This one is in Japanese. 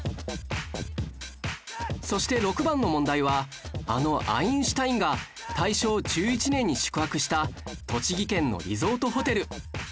そして６番の問題はあのアインシュタインが大正１１年に宿泊した栃木県のリゾートホテル